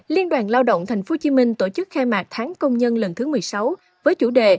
liên đoàn lao động tp hcm tổ chức khai mạc tháng công nhân lần thứ một mươi sáu với chủ đề